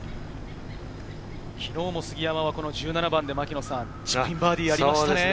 昨日も杉山はこの１７番でチップインバーディーがありましたね。